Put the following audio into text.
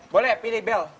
boleh pilih bel